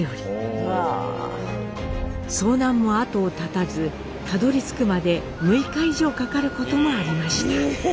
遭難も後を絶たずたどりつくまで６日以上かかることもありました。